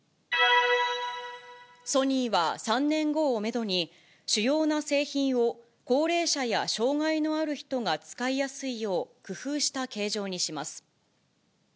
ソニーは３年後をメドに、主要な製品を高齢者や障がいのある人が使いやすいよう工夫した形状にします。